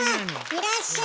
いらっしゃい！